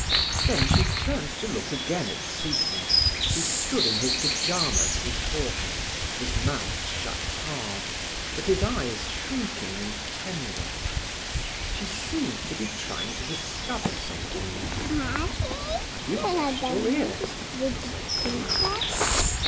Then she turned to look again at Siegmund, who stood in his pyjamas before her, his mouth shut hard, but his eyes shrinking and tender. She seemed to be trying to discover something in him. "Have you washed your ears?" he said gaily.